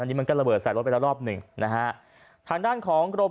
อันนี้มันก็ระเบิดใส่รถไปแล้วรอบหนึ่งนะฮะทางด้านของกรม